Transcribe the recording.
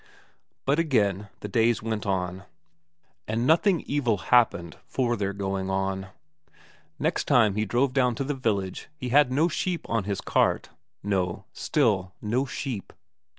But again the days went on, and nothing evil happened for their going on. Next time he drove; down to the village he had no sheep on his cart, no, still no sheep.